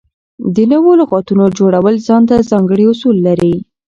د نوو لغاتونو جوړول ځان ته ځانګړي اصول لري.